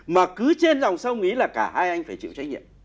mà cứ trên dòng sông ý là cả hai anh phải chịu trách nhiệm